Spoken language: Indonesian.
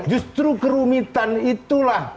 justru kerumitan itulah